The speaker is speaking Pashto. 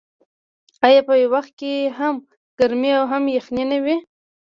آیا په یو وخت کې هم ګرمي او هم یخني نه وي؟